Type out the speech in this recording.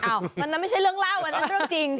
อันนั้นไม่ใช่เรื่องเล่าอันนั้นเรื่องจริง